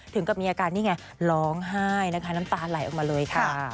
ถึงกับมีอาการนี่ไงร้องไห้นะคะน้ำตาไหลออกมาเลยค่ะ